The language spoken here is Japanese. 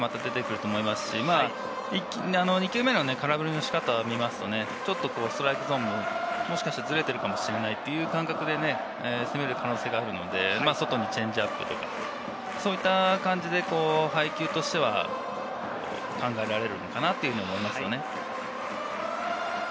恐らく次なんかは、インコースの真っすぐ、厳しめのボールで、ゴロを打たせようという考えも出てくると思いますし、２球目の空振りの仕方を見ますとちょっとストライクゾーンも、もしかしたらズレているかもしれないという感覚で攻める可能性があるので、外にチェンジアップとか、そういった感じで配球としては考えられるのかなと思います。